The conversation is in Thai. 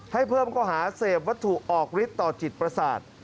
ให้เพิ่มข้อหาเสพวัตถุออกฤทธิต่อจิตประสาท